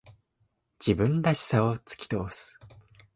自分らしさを突き通す。